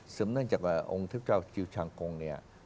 เนื่องจากว่าองค์เทพเจ้าจิลชังกงเนี่ย